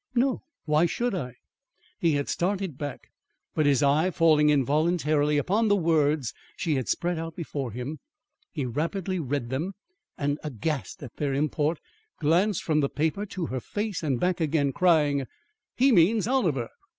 "No; why should I?" He had started back, but his eye falling involuntarily upon the words she had spread out before him, he rapidly read them, and aghast at their import, glanced from the paper to her face and back again, crying: "He means Oliver!